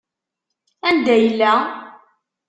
Anda yella?